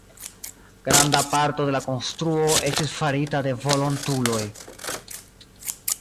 Granda parto de la konstruo estis farita de volontuloj.